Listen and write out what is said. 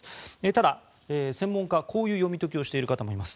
ただ、専門家はこういう読み解きをしている方もいます。